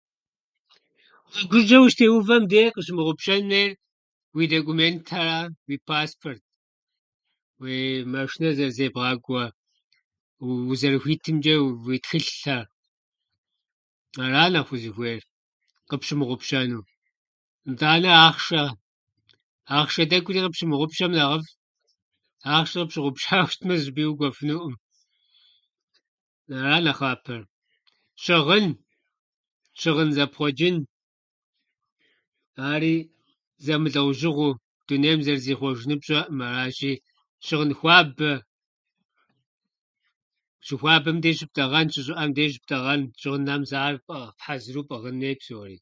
Гъуэгу жыжьэ ущытеувэм де къыпщымыгъупщэн хуейр уи документхьэра, уи паспорт, уи машынэр зэрызебгъакӏуэ узэрыхуитымкӏэ уи тхылъхьэр. Ара нэхъ узыхуейр къыпщымыгъупщэну. Итӏанэ ахъшэ. Ахъшэ тӏэкӏури къыпщымыгъупщэм нэхъыфӏ. Ахъшэр къыпщыгъупщауэ щытмэ, зы щӏыпӏи укӏуэфынуӏым. Ара нэхъапэр. Щыгъын, щыгъын зэпхъуэкӏын, ари зэмылӏэужьыгъуэу. Дунейм зэрызихъуэжынур пщӏэӏым. Аращи, щыгъын хуабэ, щыхуабэм де щыптӏэгъэн, щыщӏыӏэм де щыптӏэгъэн щыгъынхьэр. Мис ахьэр пӏыгъ- хьэзыру пӏыгъын хуей псори.